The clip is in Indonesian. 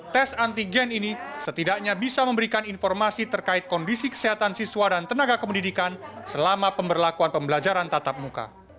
tes antigen ini setidaknya bisa memberikan informasi terkait kondisi kesehatan siswa dan tenaga kependidikan selama pemberlakuan pembelajaran tatap muka